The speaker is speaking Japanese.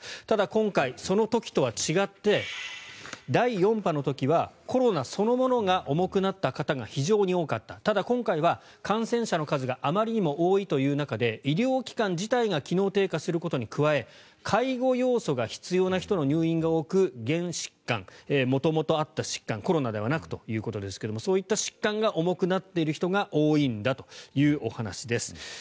ただ、今回、その時とは違って第４波の時はコロナそのものが重くなった方が非常に多かったただ、今回は感染者の数があまりにも多いという中で医療機関自体が機能低下することに加え介護要素が必要な人の入院が多く原疾患元々あった疾患コロナではなくということですがそういった疾患が重くなっている人が多いんだというお話です。